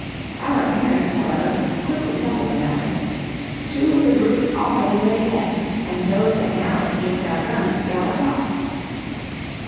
Our appearance, however, quickly settled the matter; two of the brutes already lay dead, and those that now escaped our guns galloped off.